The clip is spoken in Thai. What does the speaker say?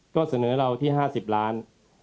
ก็เสนอเราที่๕๐ล้าน